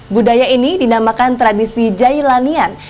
budaya ini dinamakan tradisi jailanian